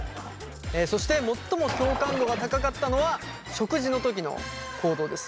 そして最も共感度が高かったのは食事のときの行動です。